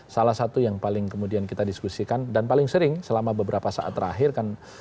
salah satu yang paling kemudian kita diskusikan dan paling sering selama beberapa saat terakhir kan